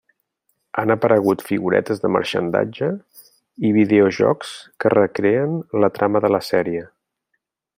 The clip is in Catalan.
Han aparegut figuretes de marxandatge i videojocs que recreen la trama de la sèrie.